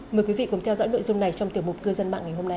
mời quý vị cùng theo dõi nội dung này trong tiểu mục cư dân mạng ngày hôm nay